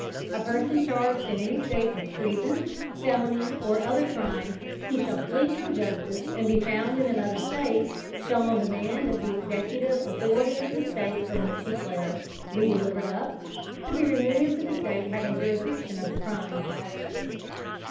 A Person charged in any State with Treason, Felony, or other Crime, who shall flee from Justice, and be found in another State, shall on Demand of the executive Authority of the State from which he fled, be delivered up, to be removed to the State having Jurisdiction of the Crime.